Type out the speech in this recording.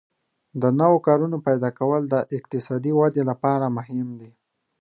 د نوو کارونو پیدا کول د اقتصادي ودې لپاره مهم دي.